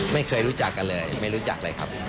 ไม่เคยรู้จักกันเลยไม่รู้จักเลยครับ